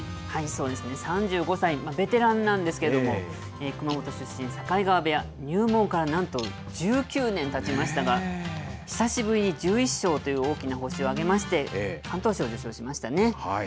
そうですね、３５歳、ベテランなんですけれども、熊本出身、境川部屋、入門からなんと１９年たちましたが、久しぶりに１１勝という大きな星を挙げまして、敢闘賞を受賞しましたね。